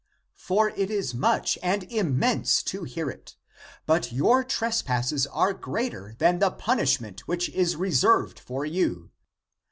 For it is much and immense to hear it. But your trespasses are greater than the punish ment which is reserved for you.